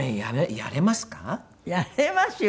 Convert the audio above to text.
やれますよ